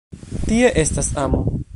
Tie estas amo!